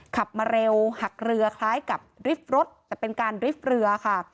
ขับมาเร็วหักเรือคล้ายกับริฟท์รถแต่เป็นการริฟท์เรือค่ะ